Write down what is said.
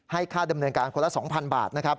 ให้ค่าดำเนินการคนละ๒๐๐๐บาท